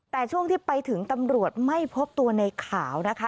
แต่ช่วงที่ไปถึงตำรวจไม่พบตัวในขาวนะคะ